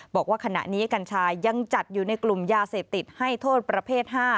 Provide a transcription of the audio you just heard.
บอกว่าขณะนี้กัญชายังจัดอยู่ในกลุ่มยาเสพติดให้โทษประเภท๕